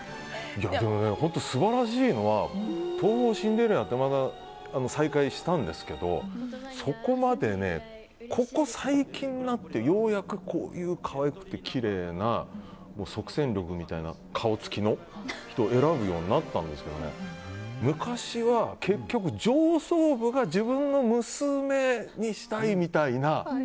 本当に素晴らしいのは東宝シンデレラはまた再開したんですけどそこまでね、ここ最近になってようやく、こういう可愛くてきれいな即戦力みたいな顔つきの人を選ぶようになったんですけどね昔は結局、上層部が自分の娘にしたいみたいな。